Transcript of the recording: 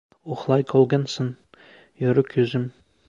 Uxlay qolgin sen, yorug‘ yuzim.